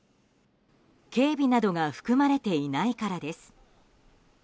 警備などが含まれていないからです。